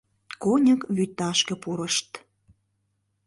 Коньык вӱташке пурышт.